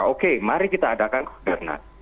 oke mari kita adakan fairnes